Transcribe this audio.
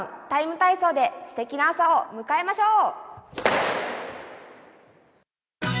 ＴＩＭＥ，体操」ですてきな朝を迎えましょう！